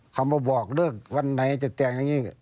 เขามาบอกเลิกวันไหนจะแต่งอย่างนี้